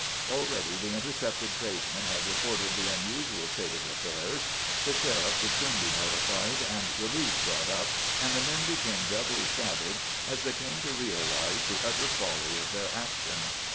Already the intercepted tradesmen had reported the unusual state of affairs. The sheriff would soon be notified and relief brought up, and the men became doubly savage as they came to realize the utter folly of their action.